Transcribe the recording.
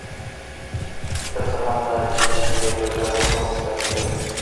که څه هم دا عجیب زېږېدنه په مصنوعي توګه.